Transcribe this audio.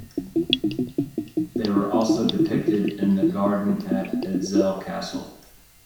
They were also depicted in the garden at Edzell Castle.